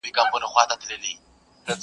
بس په نغري کي د بوډا مخ ته لمبه لګیږي!